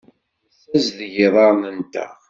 Nessazdeg iḍarren-nteɣ.